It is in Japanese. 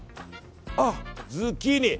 あ、ズッキーニ。